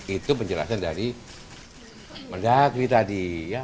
itu penjelasan dari mendagri tadi